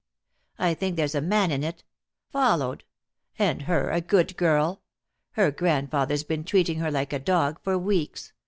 I think there's a man in it. Followed! And her a good girl! Her grandfather's been treating her like a dog for weeks.